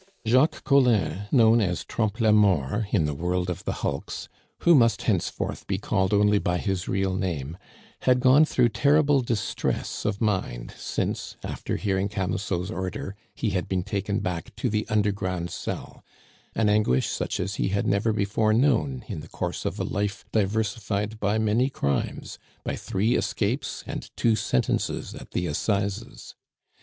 Jacques Collin, known as Trompe la Mort in the world of the hulks, who must henceforth be called only by his real name, had gone through terrible distress of mind since, after hearing Camusot's order, he had been taken back to the underground cell an anguish such as he had never before known in the course of a life diversified by many crimes, by three escapes, and two sentences at the Assizes.